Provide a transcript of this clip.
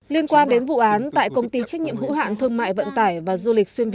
liên quan đến vụ án tại công ty trách nhiệm hữu hạng thương mại vận tải và du lịch